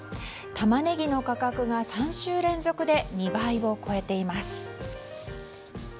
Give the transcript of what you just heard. タマネギの価格が３週連続で２倍を超えています。